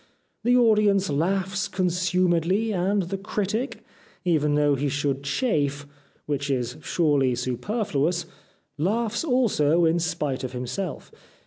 The audience laughs consumedly, and the critic, even though he should chafe, which is surely superfluous, laughs also in spite of himself.